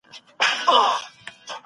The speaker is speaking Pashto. پر وطن به د جگړې وبا خوره شي